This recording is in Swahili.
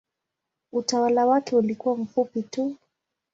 Utawala wake ulikuwa mfupi tu.